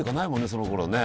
そのころね。